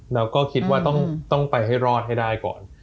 แล้วก็คิดว่าต้องไปให้รอดให้ได้ก่อน